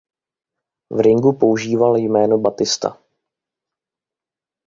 V ringu používal jméno Batista.